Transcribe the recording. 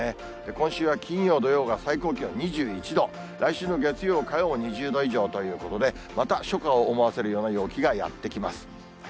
今週は金曜、土曜が最高気温２１度、来週の月曜、火曜も２０度以上ということで、また初夏を思わせるような陽気がやって来ます。